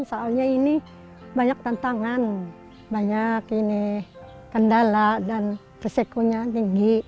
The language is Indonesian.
soalnya ini banyak tantangan banyak kendala dan resikonya tinggi